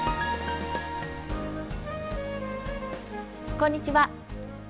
こんにちは。